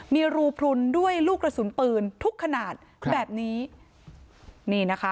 มีรูพลุนด้วยลูกกระสุนปืนทุกขนาดแบบนี้นี่นะคะ